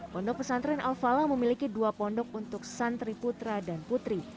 pondok pesantren al falah memiliki dua pondok untuk santri putra dan putri